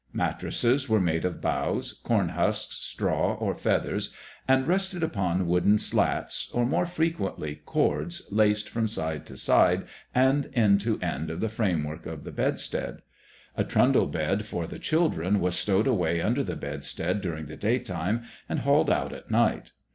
Mattresses were made of boughs, corn husks, straw, or feathers, and rested upon wooden slats, or more frequently cords laced from side to side and end to end of the framework of the bedstead. A trundle bed for the children was stowed away under the bedstead during the daytime and hauled out at night.